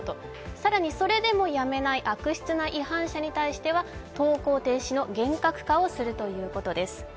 更にそれでもやめない悪質な違反者に対しては投稿停止の厳格化をするということです。